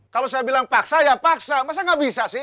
kalau saya bilang paksa ya paksa masa nggak bisa sih